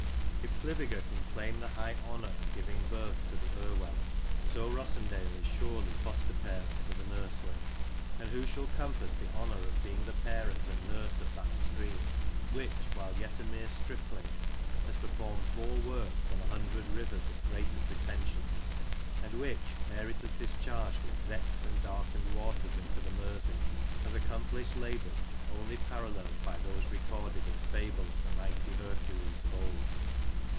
If Cliviger can claim the high honour of giving birth to the Irwell, so Rossendale is siu:ely foster parent to the nursling : and who shall compass the honour of being ^e parent and nurse of that stream, which, while yet a mere stripling, has performed more work than a hundred rivers of greater pretensions — and which, ere it has discharged its vexed and darkened waters into the Mersey, has accom plished labours only parallelled by those recorded in fable of the mighty Hercules of old